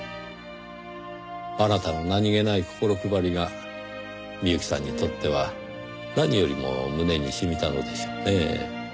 あなたの何げない心配りが美由紀さんにとっては何よりも胸に染みたのでしょうねぇ。